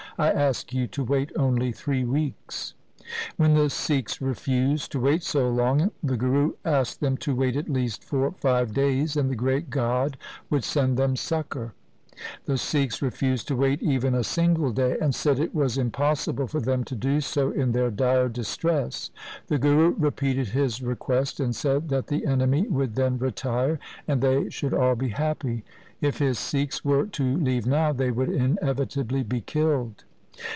I ask you to wait only three weeks.' When the Sikhs refused to wait so long, the Guru asked them to wait at least for five days, and the great God would send them succour. 1 The Sikhs refused to wait even a single day, and said it was impossible for them to do so in their dire distress. The Guru repeated his request, and said that the enemy would then retire, and they should all be happy. If his Sikhs were to leave now they would inevitably be killed.